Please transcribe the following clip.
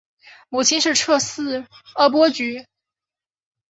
母亲是侧室阿波局。